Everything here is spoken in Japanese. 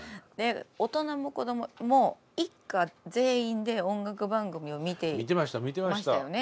大人も子どもも一家全員で音楽番組を見ていましたよね。